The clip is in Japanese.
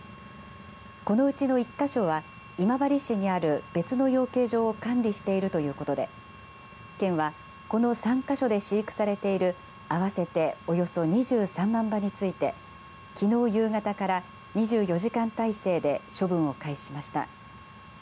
このうちの１か所は今治市にある別の養鶏場を管理しているということで県はこの３か所で飼育されている合わせておよそ２３万羽についてきのう夕方から２４時間体制で処分を開始しました。